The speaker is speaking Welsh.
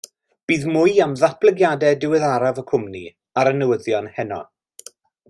Bydd mwy am ddatblygiadau diweddaraf y cwmni ar y newyddion heno.